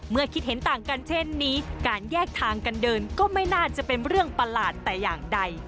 คิดเห็นต่างกันเช่นนี้การแยกทางกันเดินก็ไม่น่าจะเป็นเรื่องประหลาดแต่อย่างใด